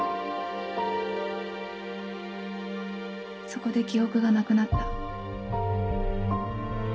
そこで記憶がなくなった。